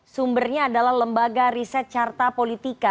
sumbernya adalah lembaga riset carta politika